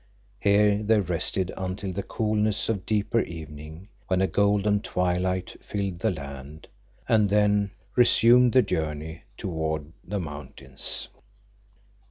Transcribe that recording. Here they rested until the coolness of deeper evening, when a golden twilight filled the land, and then resumed the journey toward the mountains.